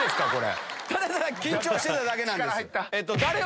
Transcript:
ただただ緊張してただけなんです。